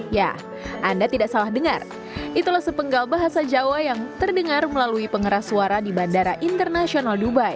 ya anda tidak salah dengar itulah sepenggal bahasa jawa yang terdengar melalui pengeras suara di bandara internasional dubai